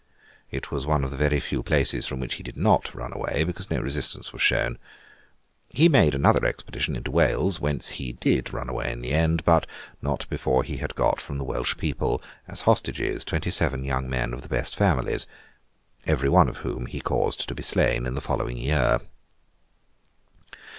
It was one of the very few places from which he did not run away; because no resistance was shown. He made another expedition into Wales—whence he did run away in the end: but not before he had got from the Welsh people, as hostages, twenty seven young men of the best families; every one of whom he caused to be slain in the following year.